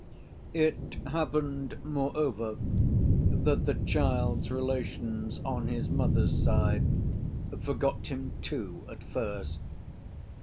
It happened moreover that the child's relations on his mother's side forgot him too at first.